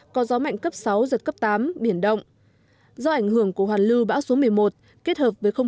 có gió mạnh cấp sáu giật cấp tám biển động do ảnh hưởng của hoàn lưu bão số một mươi một kết hợp với không